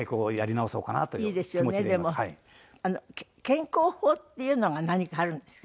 健康法っていうのが何かあるんですか？